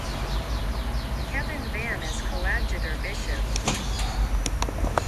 Kevin Vann as coadjutor bishop.